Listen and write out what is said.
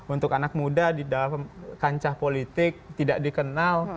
untuk anak muda di dalam kancah politik tidak dikenal